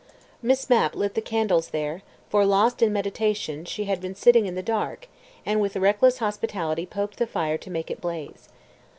Miss Mapp lit the candles there, for, lost in meditation, she had been sitting in the dark, and with reckless hospitality poked the fire to make it blaze.